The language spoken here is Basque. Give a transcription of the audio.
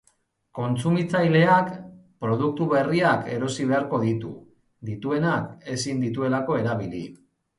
Kontsumitzaileak produktu berriak erosi beharko ditu, dituenak ezin dituelako erabili.